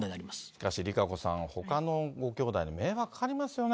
しかし、ＲＩＫＡＣＯさん、ほかのごきょうだいに迷惑かかりますよね。